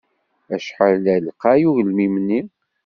Acḥal ay lqay ugelmim-nni?